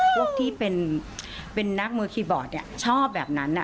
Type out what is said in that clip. พวกที่เป็นนักมือคีย์บอร์ดชอบแบบนั้น